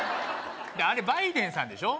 あれバイデンさんでしょ？